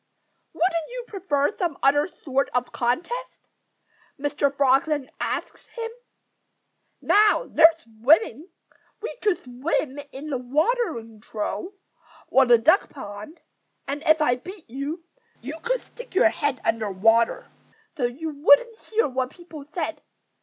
"Wouldn't you prefer some other sort of contest?" Mr. Frog then asked him. "Now, there's swimming! We could swim in the watering trough, or the duck pond. And if I beat you, you could stick your head under water, so you wouldn't hear what people said.